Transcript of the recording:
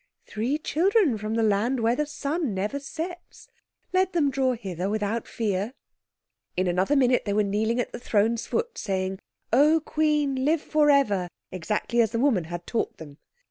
"Three children from the land where the sun never sets! Let them draw hither without fear." In another minute they were kneeling at the throne's foot, saying, "O Queen, live for ever!" exactly as the woman had taught them.